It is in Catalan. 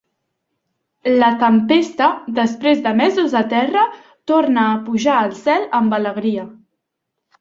La tempesta, després de mesos a terra, torna a pujar al cel amb alegria.